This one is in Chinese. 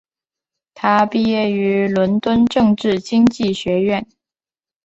他毕业于伦敦政治经济学院。